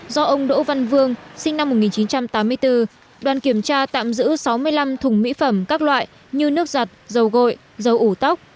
do ông đỗ văn vương sinh năm một nghìn chín trăm tám mươi bốn đoàn kiểm tra tạm giữ sáu mươi năm thùng mỹ phẩm các loại như nước giặt dầu gội dầu ủ tóc